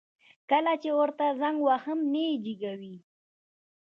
کله چي ورته زنګ وهم نه يي جګوي